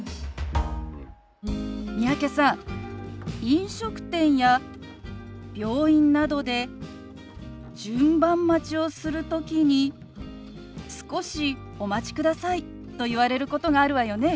飲食店や病院などで順番待ちをする時に「少しお待ちください」と言われることがあるわよね？